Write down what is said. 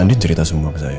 ini cerita semua ke saya